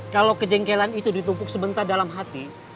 kalau kejengkelan itu ditumpuk sebentar dalam hati